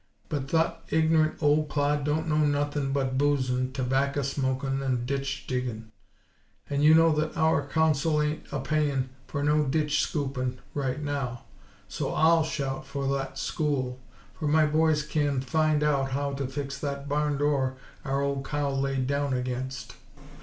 But thot ignorant old clod don't know nuthin' but boozin', tobacca shmokin' and ditch diggin'. And you know thot our Council ain't a payin' for no ditch scoopin' right now. So I'll shout for thot school! For my boys can find out how to fix thot barn door our old cow laid down against."